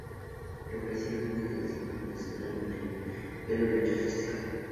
Le ofrecieron la dirección de la Escuela de Pintura, pero rechazó este cargo.